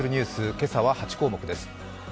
今朝は８項目です。